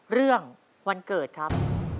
เรื่องวันเกิดครับ